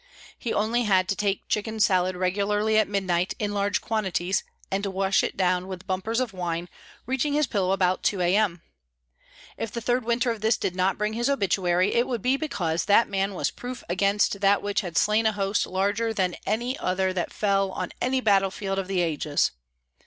He only had to take chicken salad regularly at midnight, in large quantities, and to wash it down with bumpers of wine, reaching his pillow about 2 a.m. If the third winter of this did not bring his obituary, it would be because that man was proof against that which had slain a host larger than any other that fell on any battle field of the ages.